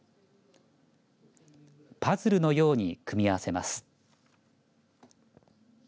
パズルのように組み合わせます。